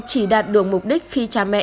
chỉ đạt được mục đích khi cha mẹ